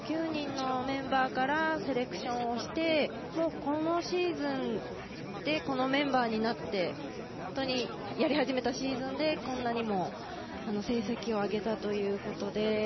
９人のメンバーからセレクションをしてこのシーズンでこのメンバーになってやり始めたシーズンでこんなにも成績を挙げたということで。